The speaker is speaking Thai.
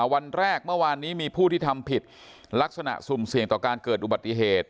วันแรกเมื่อวานนี้มีผู้ที่ทำผิดลักษณะสุ่มเสี่ยงต่อการเกิดอุบัติเหตุ